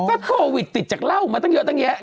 ก็โควิดติดจากเหล้ามาตั้งเยอะตั้งแยะ